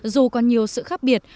dù còn nhiều sự khác biệt